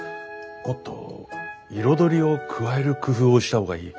もっと彩りを加える工夫をした方がいい。